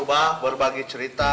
sok atu berbagi cerita